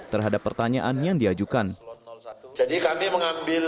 terhadap pertanyaan yang diajukan